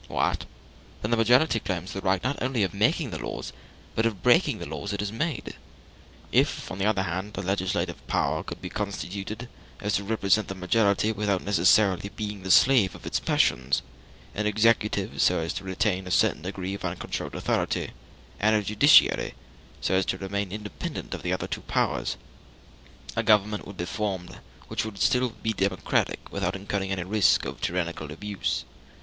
"What! then the majority claims the right not only of making the laws, but of breaking the laws it has made?"] If, on the other hand, a legislative power could be so constituted as to represent the majority without necessarily being the slave of its passions; an executive, so as to retain a certain degree of uncontrolled authority; and a judiciary, so as to remain independent of the two other powers; a government would be formed which would still be democratic without incurring any risk of tyrannical abuse.